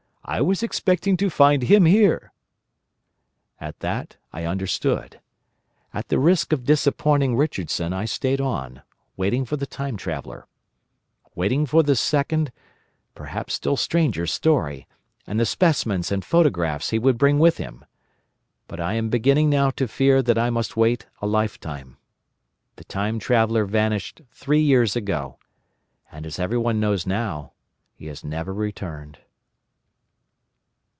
I was expecting to find him here." At that I understood. At the risk of disappointing Richardson I stayed on, waiting for the Time Traveller; waiting for the second, perhaps still stranger story, and the specimens and photographs he would bring with him. But I am beginning now to fear that I must wait a lifetime. The Time Traveller vanished three years ago. And, as everybody knows now, he has never returned.